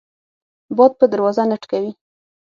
باد په دروازه نه ټکوي